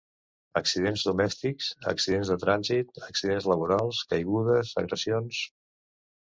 Accidents domèstics, accidents de trànsit, accidents laborals, caigudes, agressions.